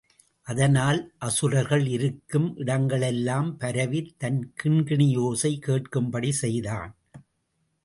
அதனால் அசுரர்கள் இருக்கும் இடங்களுக்கெல்லாம் பரவித் தன் கிண்கிணியோசை கேட்கும்படி செய்தான்.